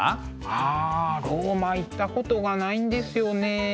あローマ行ったことがないんですよね。